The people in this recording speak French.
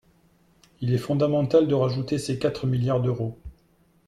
Il est fondamental de rajouter ces quatre milliards d’euros.